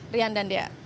rian dan dea